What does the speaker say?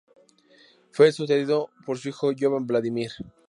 Fue sucedido por su hijo Jovan Vladimir.